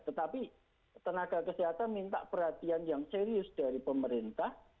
tetapi tenaga kesehatan minta perhatian yang serius dari pemerintah